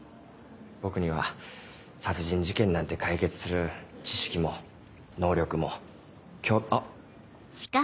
僕には殺人事件なんて解決する知識も能力もきょあっ。